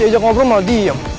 diajak ngobrol malah diem